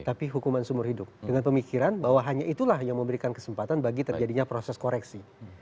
tapi hukuman seumur hidup dengan pemikiran bahwa hanya itulah yang memberikan kesempatan bagi terjadinya proses koreksi